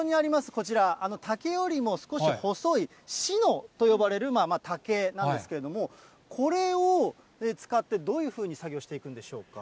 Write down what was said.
こちら、竹よりも少し細いシノと呼ばれる竹なんですけれども、これを使ってどういうふうに作業していくんでしょうか。